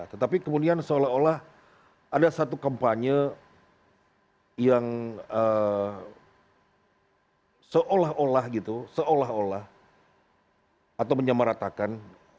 tetapi kemudian seolah olah ada satu kampanye yang seolah olah gitu seolah olah atau menyamaratakan